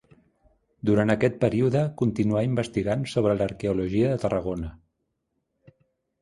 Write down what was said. Durant aquest període continuà investigant sobre l'arqueologia de Tarragona.